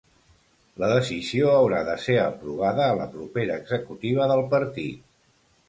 La decisió haurà de ser aprovada a la propera executiva del partit.